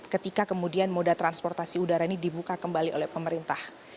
ketika kemudian moda transportasi udara ini dibuka kembali oleh pemerintah